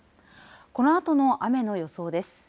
このあとの雨の予想です。